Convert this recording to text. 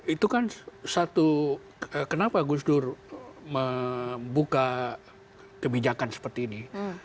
itu kan satu kenapa gus dur membuka kebijakan seperti ini